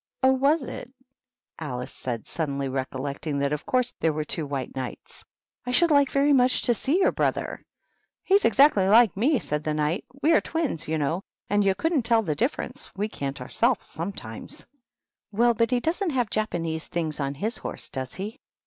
" Oh, was it ?" Alice said, suddenly recollecting that of course there were two White Knights. " I should like very much to see your brother." " He's exactly like me," said the Knight. "We are twins, you know, and you couldn't tell the diflference. We can't ourselves, some times." " Well, but he doesn't have Japanese things on his horse, does he?"